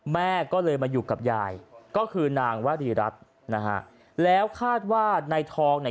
แม่ก็เลยมาอยู่กับยายก็คือนางวรีรัฐนะฮะแล้วคาดว่าในทองเนี่ย